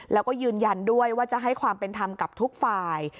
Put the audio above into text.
แล้วก็ยืนยันด้วยว่าจะให้ความเป็นธรรมกับทุกฝ่าย